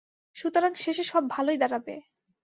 সুতরাং শেষে সব ভালই দাঁড়াবে।